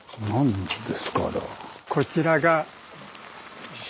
こちらが。